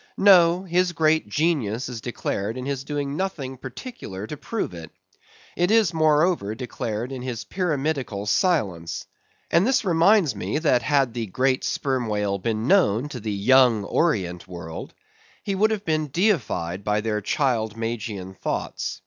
No, his great genius is declared in his doing nothing particular to prove it. It is moreover declared in his pyramidical silence. And this reminds me that had the great Sperm Whale been known to the young Orient World, he would have been deified by their child magian thoughts.